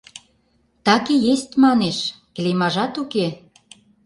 — Так и есть, манеш, клеймажат уке.